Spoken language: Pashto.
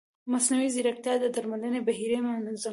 مصنوعي ځیرکتیا د درملنې بهیر منظموي.